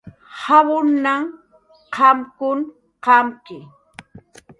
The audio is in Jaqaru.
Jawunhan qamkun qamki